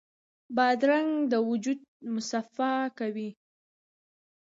بادرنګ د وجود مصفا کوي.